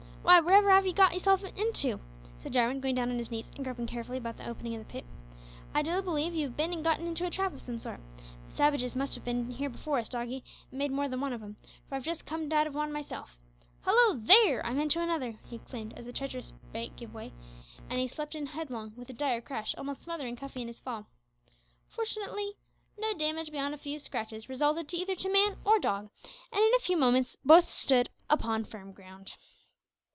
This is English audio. "Why, where ever have 'ee got yourself into?" said Jarwin, going down on his knees and groping carefully about the opening of the pit. "I do believe you've bin an' got into a trap o' some sort. The savages must have been here before us, doggie, and made more than one of 'em, for I've just comed out o' one myself. Hallo! there, I'm into another!" he exclaimed as the treacherous bank gave way, and he slipped in headlong, with a dire crash, almost smothering Cuffy in his fall. Fortunately, no damage, beyond a few scratches, resulted either to dog or man, and in a few minutes more both stood upon firm ground.